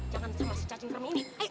jangan sama si cacing kermi ini